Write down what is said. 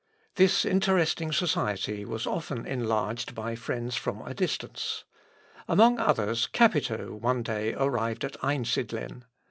This interesting society was often enlarged by friends from a distance. Among others, Capito one day arrived at Einsidlen.